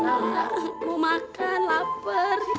mau makan lapar